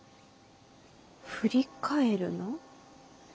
「振り返るな」？